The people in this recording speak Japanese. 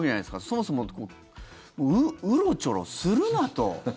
そもそも、うろちょろするなと。